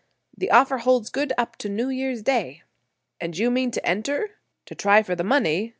The offer holds good up to New Year's Day." "And you mean to enter—to try for the money?"